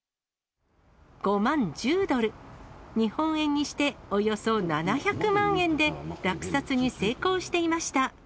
５万１０ドル、日本円にしておよそ７００万円で落札に成功していました。